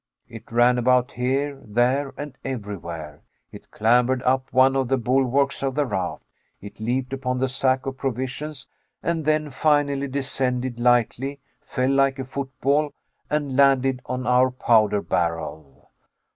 It ran about here, there, and everywhere, it clambered up one of the bulwarks of the raft, it leaped upon the sack of provisions, and then finally descended lightly, fell like a football and landed on our powder barrel.